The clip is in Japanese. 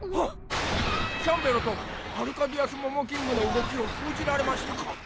キャンベロとアルカディアス・モモキングの動きを封じられましたか。